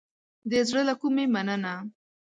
د زړه له کومې مننه